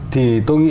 thì tôi nghĩ là